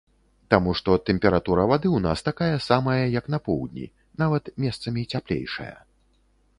Таму што тэмпература вады ў нас такая самая, як на поўдні, нават месцамі цяплейшая.